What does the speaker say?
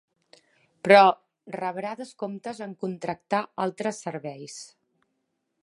Però rebrà descomptes en contractar altres serveis.